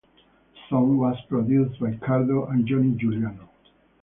The song was produced by Cardo and Johnny Juliano.